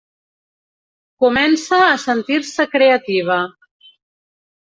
Comença a sentir-se creativa.